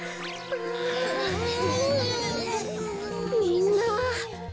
みんな。